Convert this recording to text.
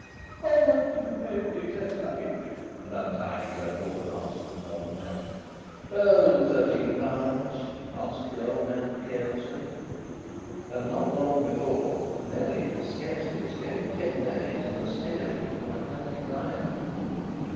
"How much did you pay for the excess luggage?" an untidy young woman asked of an old man. "Oh! Thirteen pounds," answered the old man, carelessly. And not long before Nellie had scarcely escaped ten days in the steerage of an Atlantic liner.